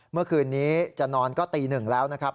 เมื่อคืนนี้จะนอนก็ตีหนึ่งแล้วนะครับ